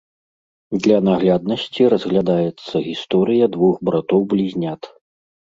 Для нагляднасці разглядаецца гісторыя двух братоў-блізнят.